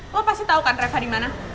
lo pasti tau kan tereva dimana